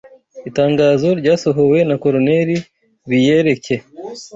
Itangazo ryasohowe na Coloneli Biyereke